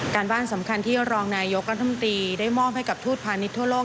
การบ้านสำคัญที่รองนายการธรรมดีได้มองให้กับทูตภัณฑ์ในทั่วโลก